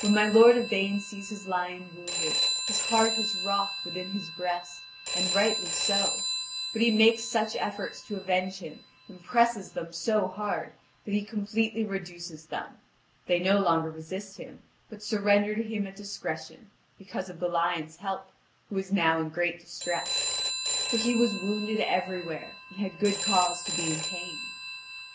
When my lord Yvain sees his lion wounded, his heart is wroth within his breast, and rightly so; but he makes such efforts to avenge him, and presses them so hard, that he completely reduces them; they no longer resist him, but surrender to him at discretion, because of the lion's help, who is now in great distress; for he was wounded everywhere, and had good cause to be in pain.